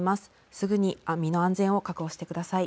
すぐに身の安全を確保してください。